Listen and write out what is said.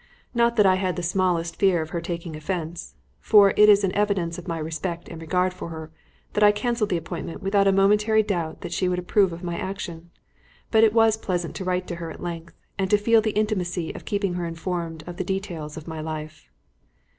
Not that I had the smallest fear of her taking offence, for it is an evidence of my respect and regard for her that I cancelled the appointment without a momentary doubt that she would approve of my action; but it was pleasant to write to her at length and to feel the intimacy of keeping her informed of the details of my life.